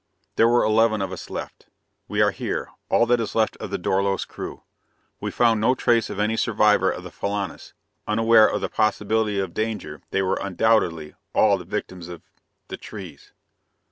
There were eleven of us left. We are here all that is left of the Dorlos crew. We found no trace of any survivor of the Filanus; unaware of the possibility of danger, they were undoubtedly, all the victims of ... the trees."